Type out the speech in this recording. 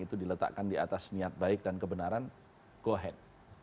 itu diletakkan di atas niat baik dan kebenaran go ahead